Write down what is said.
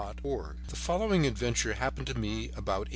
THE CRIPPLE The following adventure happened to me about 1882.